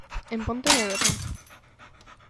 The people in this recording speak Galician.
¿En Pontevedra?